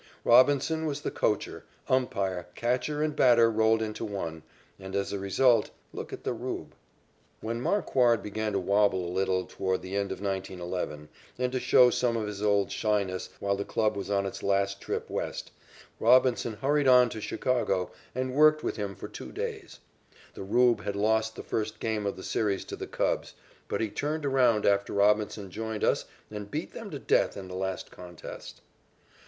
Robinson was the coacher, umpire, catcher and batter rolled into one, and as a result look at the "Rube." When Marquard began to wabble a little toward the end of 1911 and to show some of his old shyness while the club was on its last trip West, Robinson hurried on to Chicago and worked with him for two days. The "Rube" had lost the first game of the series to the Cubs, but he turned around after Robinson joined us and beat them to death in the last contest.